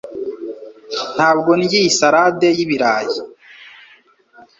Ntabwo ndya iyi salade y ibirayi